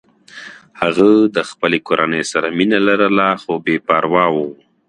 هغه د خپلې کورنۍ سره مینه لرله خو بې پروا و